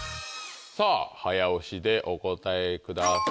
さぁ早押しでお答えください。